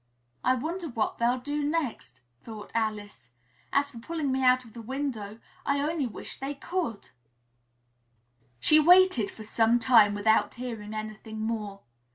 "I wonder what they'll do next!" thought Alice. "As for pulling me out of the window, I only wish they could!" She waited for some time without hearing anything more.